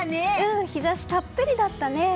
うん、日差したっぷりだったね。